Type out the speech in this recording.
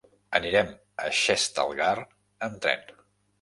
Anirem a Xestalgar amb tren.